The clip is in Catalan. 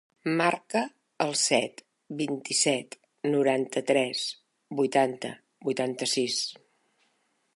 Marca el set, vint-i-set, noranta-tres, vuitanta, vuitanta-sis.